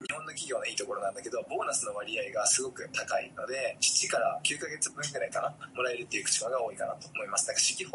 Both the Belgrade-Sofia-Istanbul road and the railway follow this route.